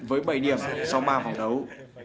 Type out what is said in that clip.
với bảy điểm sau ba vòng đấu